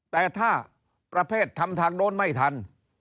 แต่ถ้าประเภททำทางโน้นไม่ทัน